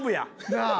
なあ？